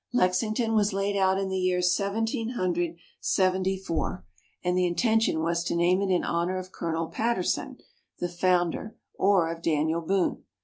Lexington was laid out in the year Seventeen Hundred Seventy four, and the intention was to name it in honor of Colonel Patterson, the founder, or of Daniel Boone.